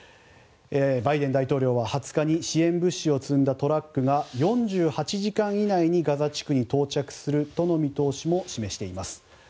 バイデン大統領は２０日に支援物資を積んだトラックが４８時間以内にガザ地区に到着するとの見通しも示しています。